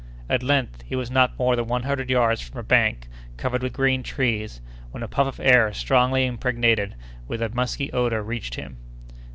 At length, he was not more than one hundred yards from a bank, covered with green trees, when a puff of air strongly impregnated with a musky odor reached him.